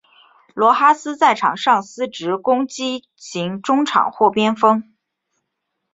罗哈斯在场上司职攻击型中场或边锋。